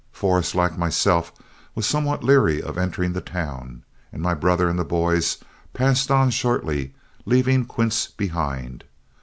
Forrest, like myself, was somewhat leary of entering the town, and my brother and the boys passed on shortly, leaving Quince behind.